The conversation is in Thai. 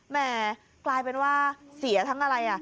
แม่กลายเป็นว่าเสียทั้งอะไร